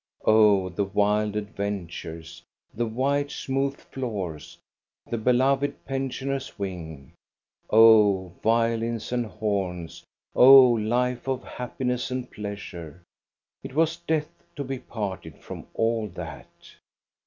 Oh, the wild adventures, the white, smooth floors, the beloved pensioners' wing ! Oh, violins and horns, oh, life of happiness and pleasure ! It was death to be parted from all that.